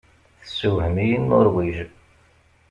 Tessewhem-iyi Nuṛwij.